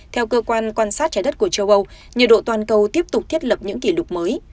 theo cơ quan quan sát trái đất của châu âu nhiệt độ toàn cầu tiếp tục thiết lập những kỷ lục mới